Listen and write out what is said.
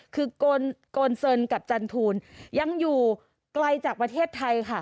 คือโกนเซินกับจันทูลยังอยู่ไกลจากประเทศไทยค่ะ